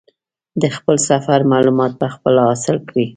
د خپل سفر معلومات په خپله حاصل کړي.